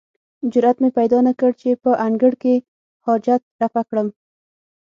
جرئت مې پیدا نه کړ چې په انګړ کې حاجت رفع کړم.